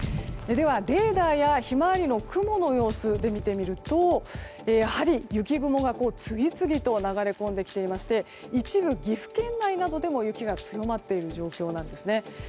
ではレーダーや「ひまわり」の雲の様子で見てみると雪雲が次々と流れ込んできていまして一部、岐阜県内でも雪が強まっている状況です。